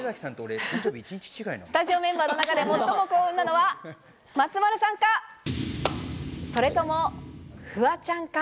スタジオメンバーの中で最も幸運なのは、松丸さんか、それとも、フワちゃんか？